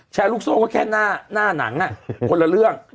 แชรุโซ่ก็แค่หน้านางอ่ะคนละเรื่อง